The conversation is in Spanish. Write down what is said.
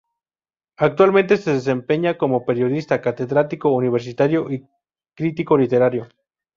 Actualmente se desempeña como periodista, catedrático universitario y crítico literario.